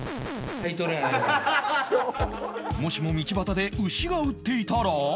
もしも道端で牛が売っていたら